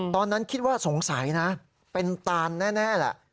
ตอนนั้นคิดว่าสงสัยนะเป็นตานแน่แหละ